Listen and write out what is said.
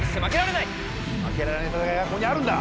負けられない戦いがここにあるんだ！